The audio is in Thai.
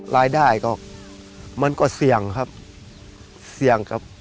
รายได้ก็เหมือนกับเสี่ยงครับ